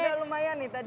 saya udah lumayan nih